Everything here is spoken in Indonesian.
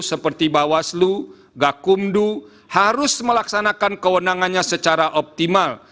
seperti bawaslu gakumdu harus melaksanakan kewenangannya secara optimal